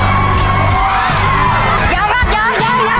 อังคาใส่ลุงไปแล้ว